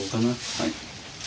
はい。